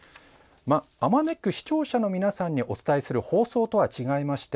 あまねく視聴者の皆さんにお伝えする放送とは違いまして